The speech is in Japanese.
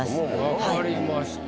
分かりました。